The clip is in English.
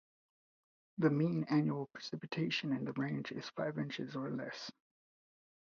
The mean annual precipitation in the range is five inches or less.